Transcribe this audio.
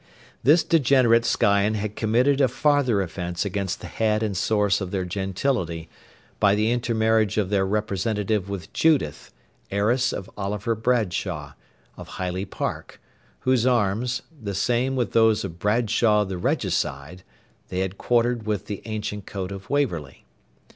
This degenerate scion had committed a farther offence against the head and source of their gentility, by the intermarriage of their representative with Judith, heiress of Oliver Bradshawe, of Highley Park, whose arms, the same with those of Bradshawe the regicide, they had quartered with the ancient coat of Waverley.